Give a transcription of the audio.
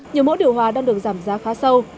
nhiều mẫu điều hòa đang được giảm giá khá sâu